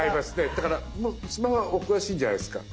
だからスマホはお詳しいんじゃないですか？